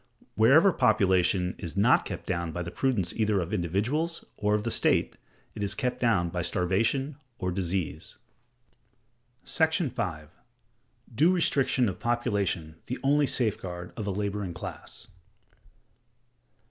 Wherever population is not kept down by the prudence either of individuals or of the state, it is kept down by starvation or disease. § 5. Due Restriction of Population the only Safeguard of a Laboring Class.